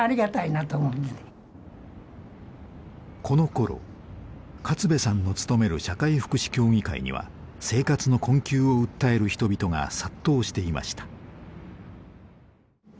このころ勝部さんの勤める社会福祉協議会には生活の困窮を訴える人々が殺到していました。